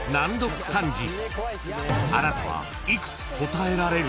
［あなたは幾つ答えられる？］